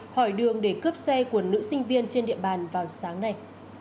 hỏi đường để cướp xe của nữ sinh viên trên địa bàn vào sáng nay